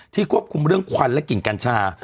ที่ควบคุมควันและกลิ่นการชา